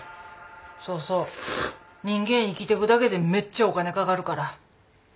そうそう人間生きてくだけでめっちゃお金かかるから。